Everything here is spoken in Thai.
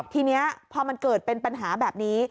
ทีนี้พอมันเกิดเป็นปัญหาแบบนี้